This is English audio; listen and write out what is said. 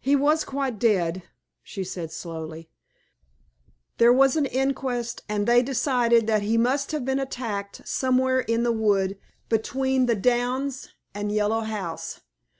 "He was quite dead," she said, slowly. "There was an inquest, and they decided that he must have been attacked somewhere in the wood between the downs and Yellow House.